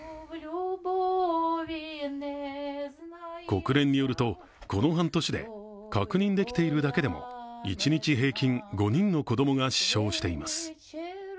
国連によると、この半年で確認できているだけでも一日平均５人の子供が死傷しています。